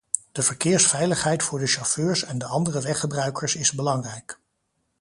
De verkeersveiligheid voor de chauffeurs en de andere weggebruikers is belangrijk.